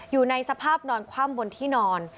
อยู่ในสภาพนอนคว่ำบนที่นอน